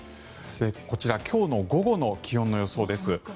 こちら今日の午後の気温の予想です。